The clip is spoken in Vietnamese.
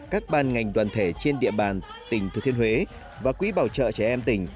các ban ngành đoàn thể trên địa bàn tỉnh thừa thiên huế và quỹ bảo trợ trẻ em tỉnh